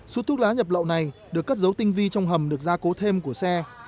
số thuốc lá nhập lậu này được cất dấu tinh vi trong hầm được gia cố thêm của xe